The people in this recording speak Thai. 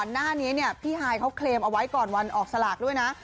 หน้านี้พี่ฮายเขาเคลมเอาไว้ก่อนวันออกสลากด้วยนะ